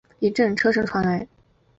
一阵车声传来